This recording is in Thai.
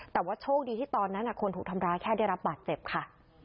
แต่ว่าโชคดีที่ตอนนั้นคนถูกทำร้ายแค่ได้รับบาดเจ็บค่ะ